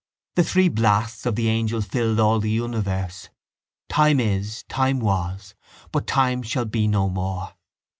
The three blasts of the angel filled all the universe. Time is, time was, but time shall be no more.